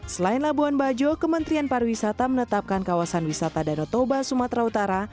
selain labuan bajo kementerian pariwisata menetapkan kawasan wisata danau toba sumatera utara